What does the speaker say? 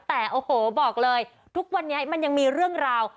แต่โอ้โหบอกเลยทุกวันนี้มันยังมีเรื่องราว